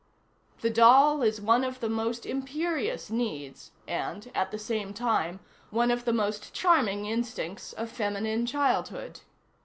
The doll is one of the most imperious needs and, at the same time, one of the most charming instincts of feminine childhood.